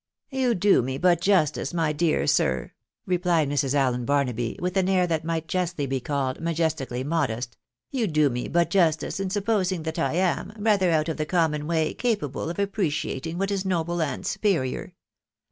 " You do me but justice, my dear sir," replied Mrs. Allen Bar naby, with an air that might justly be called majestically modest, " you do me but justice in supposing that I am, rather out of the common way capable of appreciating what is noble and superior.